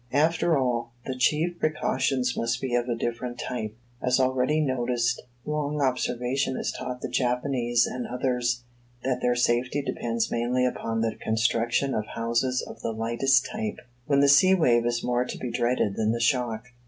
After all, the chief precautions must be of a different type. As already noticed, long observation has taught the Japanese and others that their safety depends mainly upon the construction of houses of the lightest type; when the sea wave is more to be dreaded than the shock.